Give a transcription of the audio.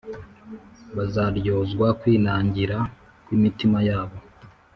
Bazaryozwa kwinangira kw’imitima yabo